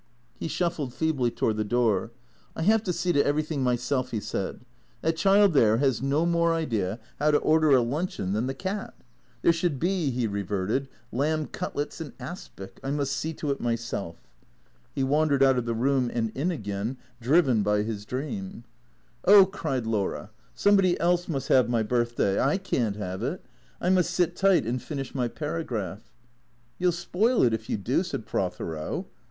He shuffled feebly toward the door. " I have to see to every thing myself," he said. " That child there has no more idea hoAv to order a luncheon than the cat. There should be," he re verted, " lamb cutlets in aspic. I must see to it myself." Ho wandered out of the room and in again, driven by his dream. THE CREATORS 221 " Oh," cried Laura, " somebody else must have my birthday. I can't liave it. I must sit tiglit and finish my paragraph." " You '11 spoil it if you do," said Prothero.